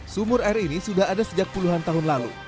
sumur air ini sudah ada sejak puluhan tahun lalu